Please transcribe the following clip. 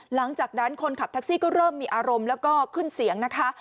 หลังจากนั้นคนขับแท็กซี่ก็เริ่มมีอารมณ์แล้วก็ขึ้นเสียงนะคะ